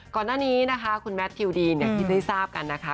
ก่อนหน้านี้นะคะคุณแมททิวดีนที่ได้ทราบกันนะคะ